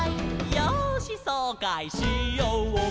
「よーしそうかいしようかい」